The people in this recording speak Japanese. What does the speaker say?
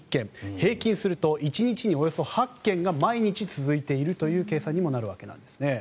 平均すると１日におよそ８件が毎日続いているという計算にもなるわけです。